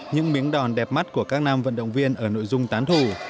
những miếng đòn đẹp mắt của các nam vận động viên ở nội dung tán thủ